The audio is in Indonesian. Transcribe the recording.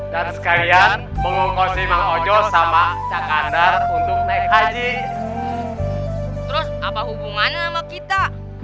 dan sekalian mengokosi bang ojo sama cakandar untuk naik haji terus apa hubungannya sama kita